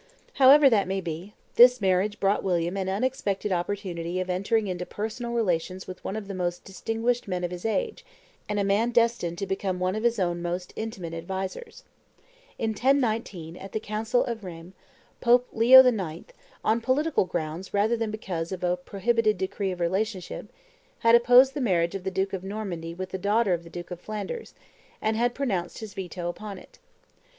However that may be, this marriage brought William an unexpected opportunity of entering into personal relations with one of the most distinguished men of his age, and a man destined to become one of his own most intimate advisers. In 1019, at the council of Rheims, Pope Leo IX., on political grounds rather than because of a prohibited degree of relationship, had opposed the marriage of the duke of Normandy with the daughter of the duke of Flanders, and had pronounced his veto upon it.